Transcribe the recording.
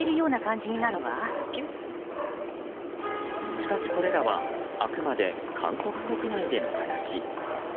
しかし、これらはあくまで韓国国内での話。